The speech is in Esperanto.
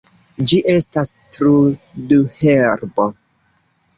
Ĝi estas trudherbo.